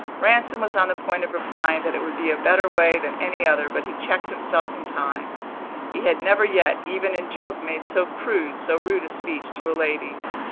Ransom was on the point of replying that it would be a better way than any other, but he checked himself in time; he had never yet, even in joke, made so crude, so rude a speech to a lady.